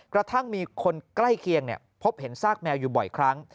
กระทั่งมีคนใกล้เคียงพบเห็นซากแมวอยู่บ่อยครั้ง